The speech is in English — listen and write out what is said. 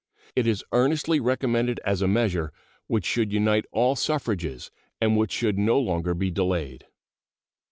It is earnestly recommended as a measure which should unite all suffrages and which should no longer be delayed.